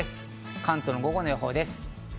関東の午後の予報です。